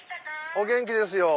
お元気ですよ。